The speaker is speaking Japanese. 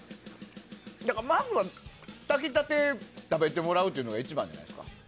だから、まずは炊きたて食べてもらうのが一番じゃないですか。